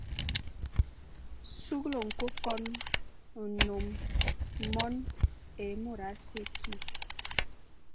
Sughle ñkôkon, nnôm, mône, é môr a si ye kî,